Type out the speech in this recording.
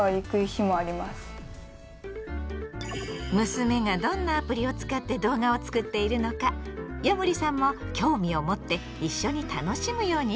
娘がどんなアプリを使って動画を作っているのかヤモリさんも興味を持って一緒に楽しむようにしている。